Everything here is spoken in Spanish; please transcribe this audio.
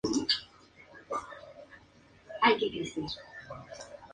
Al proceso que lo logra se le denomina "digitalización certificada".